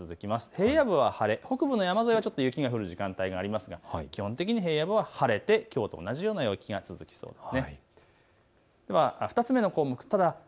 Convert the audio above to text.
平野部は晴れ、北部の山の上はちょっと雪が降る時間帯がありますが基本的には平野部は晴れてきょうと同じような天気が続きます。